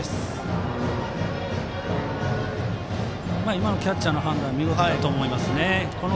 今のキャッチャーの判断は見事だと思います。